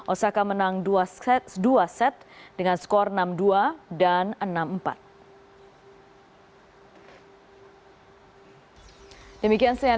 osaka menang dua set dengan skor enam dua dan enam empat